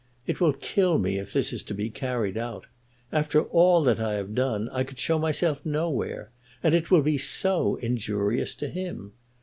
It will kill me if this is to be carried out. After all that I have done, I could show myself nowhere. And it will be so injurious to him!